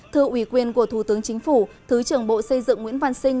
thưa ủy quyền của thủ tướng chính phủ thứ trưởng bộ xây dựng nguyễn văn sinh